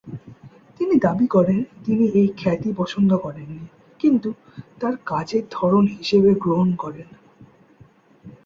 তিনি দাবী করেন তিনি এই খ্যাতি পছন্দ করেননি, কিন্তু তার কাজের ধরন হিসেবে গ্রহণ করেন।